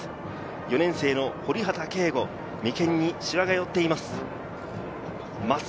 ４年生の堀畑佳吾、眉間にしわが寄っています。